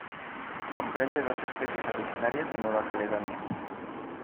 Comprende dos especies originarias de Nueva Caledonia.